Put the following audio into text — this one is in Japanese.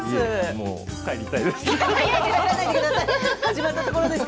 もう、帰りたいです。